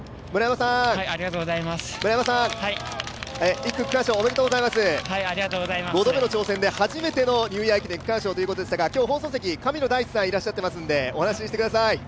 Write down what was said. １区区間賞おめでとうございます５度目の挑戦で初めてのニューイヤー駅伝区間賞ということでしたが今日放送席、神野大地さんいらしてますのでお話ししてください。